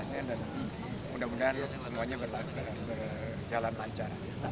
dan semoga semuanya berjalan lancar